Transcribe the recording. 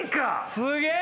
すげえ！